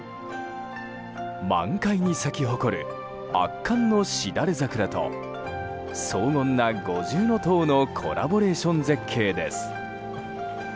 満開に咲き誇る圧巻のしだれ桜と荘厳な五重塔のコラボレーション絶景です。